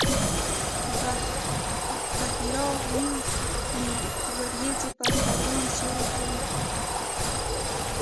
بحیرا ویني وریځې پر کاروان سیوری کوي.